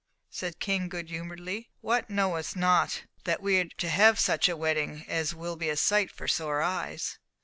said the King, good humouredly. "What! knowest not that we are to have such a wedding as will be a sight for sore eyes!"